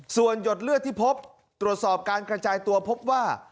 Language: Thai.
ส่วนหยดเลือดที่พบตรวจสอบการกระจายตัวพบว่า